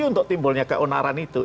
untuk timbulnya keonaran itu